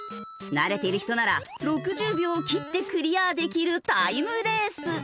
慣れている人なら６０秒を切ってクリアできるタイムレース。